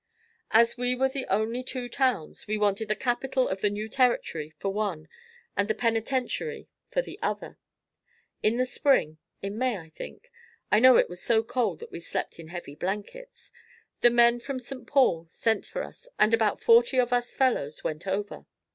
As we were the only two towns, we wanted the capitol of the new territory for one and the penitentiary for the other. In the Spring in May, I think, I know it was so cold that we slept in heavy blankets, the men from St. Paul sent for us and about forty of us fellows went over.